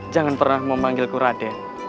jangan pernah memanggilku raden